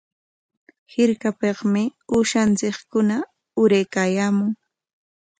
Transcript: Hirkapikmi uushanchik uraykaayaamun.